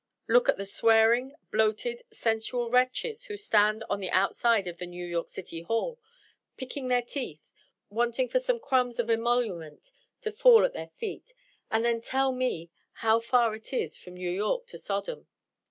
Look at the swearing, bloated, sensual wretches who stand on the outside of the New York City Hall, picking their teeth, waiting for some crumbs of emolument to fall at their feet; and then tell me how far it is from New York to Sodom.